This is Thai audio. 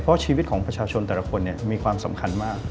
เพราะชีวิตของประชาชนแต่ละคนมีความสำคัญมาก